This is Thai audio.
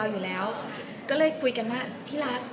ถ้าชื่อลูกจะยาวเนี่ย